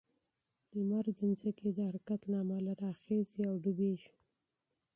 لمر د ځمکې د حرکت له امله راخیژي او ډوبیږي.